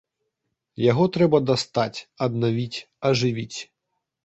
Яго трэба дастаць, аднавіць, ажывіць.